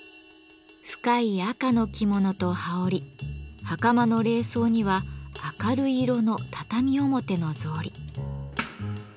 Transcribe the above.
深い赤の着物と羽織袴の礼装には明るい色の畳表の草履。